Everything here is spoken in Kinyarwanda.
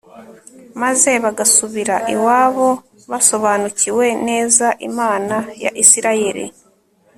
maze bagasubira iwabo basobanukiwe neza imana ya isirayeli